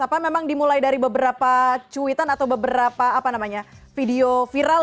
apa memang dimulai dari beberapa cuitan atau beberapa video viral